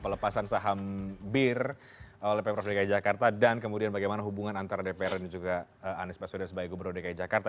pelepasan saham bir oleh pemprov dki jakarta dan kemudian bagaimana hubungan antara dpr dan juga anies baswedan sebagai gubernur dki jakarta